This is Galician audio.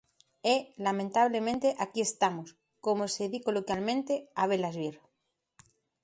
E, lamentablemente, aquí estamos, como se di coloquialmente, a velas vir.